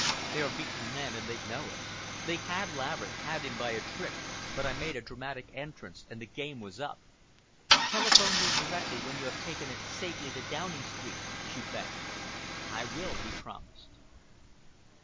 They are beaten men and they know it. They had Laverick, had him by a trick, but I made a dramatic entrance and the game was up." "Telephone me directly you have taken it safely to Downing Street," she begged. "I will," he promised.